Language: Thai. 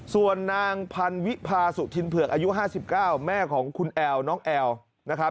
ส่วนนางพันวิพาสุธินเผือกอายุ๕๙แม่ของคุณแอลน้องแอลนะครับ